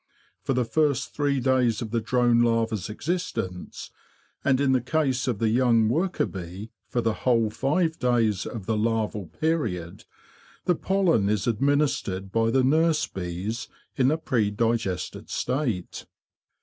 For the first three days of the drone larva's existence, and in the case of the young worker bee for the whole five days of the larval period, the pollen is administered by the nurse bees in a pre digested state.